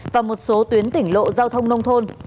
và một số tuyến tỉnh lộ giao thông nông thôn